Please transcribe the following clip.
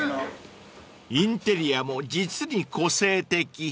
［インテリアも実に個性的］